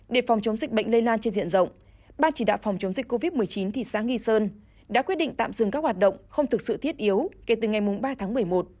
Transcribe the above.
để phòng chống dịch bệnh lây lan trên diện rộng ban chỉ đạo phòng chống dịch covid một mươi chín thị xã nghi sơn đã quyết định tạm dừng các hoạt động không thực sự thiết yếu kể từ ngày ba tháng một mươi một